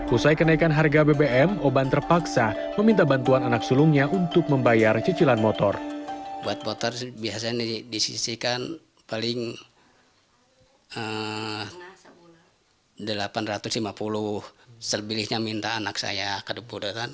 usai kenaikan harga bbm oban terpaksa meminta bantuan anak sulungnya untuk membayar cicilan motor